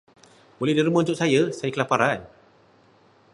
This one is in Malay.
Boleh derma untuk saya, saya kelaparan.